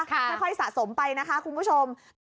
ค่อยสะสมไปนะคะคุณผู้ชม